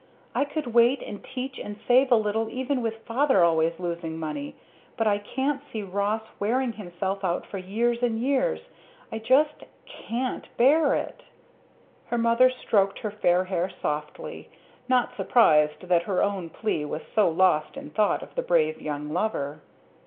I could wait and teach and save a little even with Father always losing money; but I can't see Ross wearing himself out for years and years I just can't bear it!" Her mother stroked her fair hair softly, not surprised that her own plea was so lost in thought of the brave young lover.